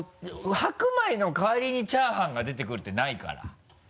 白米の代わりにチャーハンが出てくるってないから。